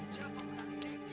siapa berani nih